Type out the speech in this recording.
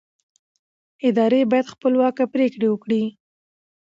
ادارې باید خپلواکه پرېکړې وکړي